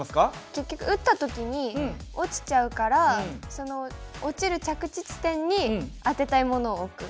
結局撃った時に落ちちゃうからその落ちる着地地点に当てたいものを置く。